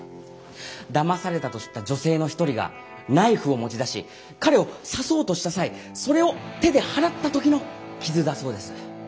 だまされたと知った女性の一人がナイフを持ち出し彼を刺そうとした際それを手で払った時の傷だそうです。